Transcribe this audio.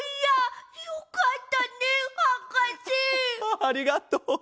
ありがとう。